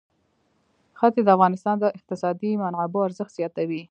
ښتې د افغانستان د اقتصادي منابعو ارزښت زیاتوي.